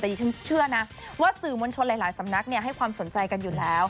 แต่ดิฉันเชื่อนะว่าสื่อมวลชนหลายสำนักให้ความสนใจกันอยู่แล้ว